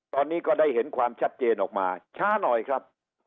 ตอนนี้ก็ได้เห็นความชัดเจนออกมาช้าหน่อยครับ